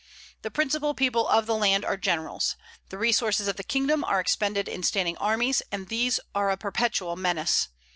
The principal people of the land are generals. The resources of the kingdom are expended in standing armies; and these are a perpetual menace.